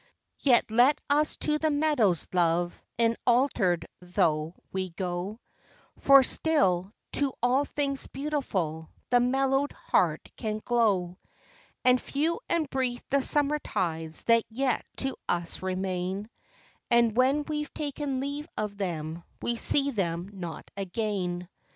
Yet let us to the meadows, love, e'en altered though we go, For still, to all things beautiful, the mellowed heart can glow, And few and brief the summer tides that yet to us remain, And when we've taken leave of them, we see them not again.